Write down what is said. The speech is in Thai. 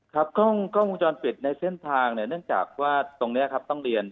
ครับกล้องวงจรปิดในเส้นทางเนี่ยเนื่องจากว่าตรงนี้ครับต้องเรียน